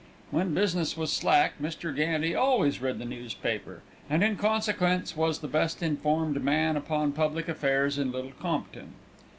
When business was slack Mr. Gandy always read the newspaper, and in consequence was the best informed man upon public affairs in Little Compton.